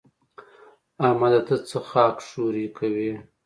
احمده! ته څه خاک ښوري کوې؟